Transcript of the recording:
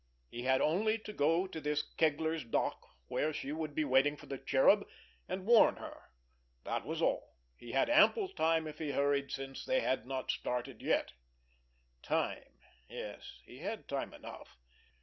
He had only to go to this Kegler's dock where she would be waiting for the Cherub, and warn her. That was all. He had ample time if he hurried, since they had not started yet. Time! Yes, he had time enough.